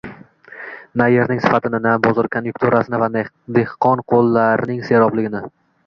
na yerning sifatini, na bozor kon’yunkturasini, na dehqon qo‘llarining serobligini